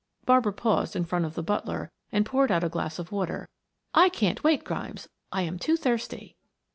Barbara paused in front of the butler and poured out a glass of water. "I can't wait, Grimes, I am too thirsty."